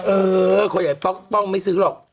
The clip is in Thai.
เออคนใหญ่ป้องไม่ซื้อหรอก